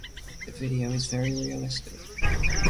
The video is very realistic.